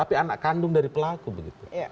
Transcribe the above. itu pelaku begitu